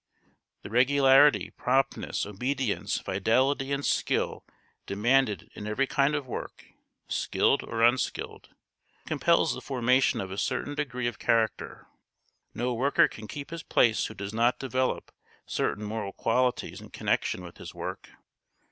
The regularity, promptness, obedience, fidelity, and skill demanded in every kind of work, skilled or unskilled, compels the formation of a certain degree of character. No worker can keep his place who does not develop certain moral qualities in connection with his work.